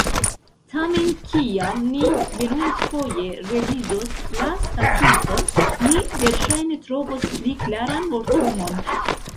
Tamen, kiam ni venontfoje revizios la Statuton, ni verŝajne trovos pli klaran vortumon.